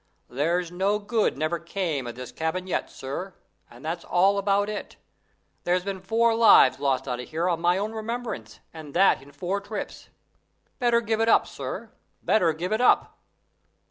There's no good never came o' this cabin yet, sir, and that's all about it. There's been four lives lost out o' here to my own remembrance, and that in four trips. Better give it up, sir better give it up!"